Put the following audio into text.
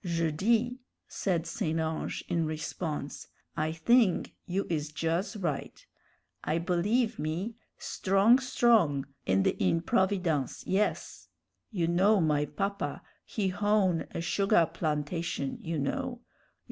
"Je dis," said St. Ange, in response, "I thing you is juz right. I believe, me, strong strong in the improvidence, yes. You know my papa he hown a sugah plantation, you know.